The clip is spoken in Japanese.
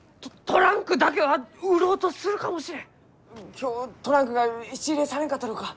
今日トランクが質入れされんかったろうか？